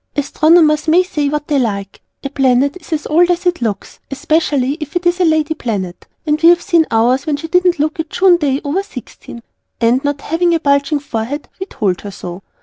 Astronomers may say what they like, a Planet is as old as it looks, especially if it is a Lady Planet, and we have seen ours when she didn't look a June day over sixteen! and, not having a bulging forehead, we told her so!